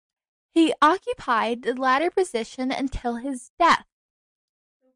He occupied the latter position until his death.